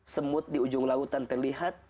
semut di ujung lautan terlihat